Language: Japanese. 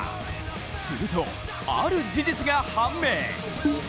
すると、ある事実が判明。